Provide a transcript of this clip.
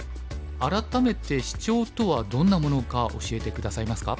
改めてシチョウとはどんなものか教えて下さいますか？